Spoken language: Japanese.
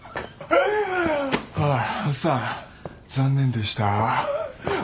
おいおっさん残念でした。